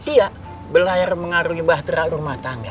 iya belayar mengarungi bahtera rumah tangga